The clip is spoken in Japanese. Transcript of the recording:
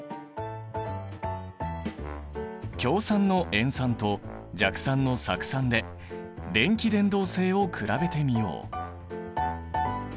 強酸の塩酸と弱酸の酢酸で電気伝導性を比べてみよう。